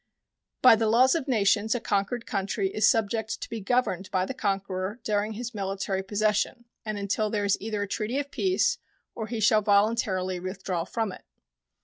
By the laws of nations a conquered country is subject to be governed by the conqueror during his military possession and until there is either a treaty of peace or he shall voluntarily withdraw from it.